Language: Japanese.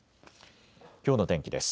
きょうの天気です。